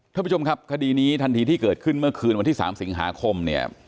ท่านผู้ชมครับคดีนี้ทันทีที่เกิดขึ้นเมื่อคืนวันที่๓สิงหาคมเนี่ย